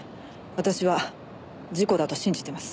私は事故だと信じています。